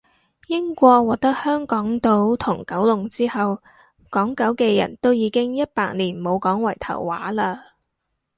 英國獲得香港島同九龍之後，港九嘅人都已經一百年冇講圍頭話喇